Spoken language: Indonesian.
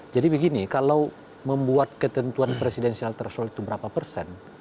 jadi begini kalau membuat ketentuan presidensial threshold itu berapa persen